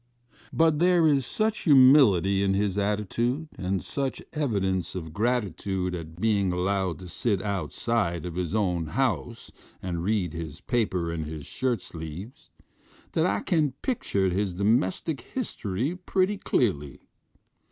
But there is such humility in his atti tude, and such evidence of gratitude at being al lowed to sit outside of his own house and read his paper in his shirt sleeves, that I can picture his domestic history pretty clearly.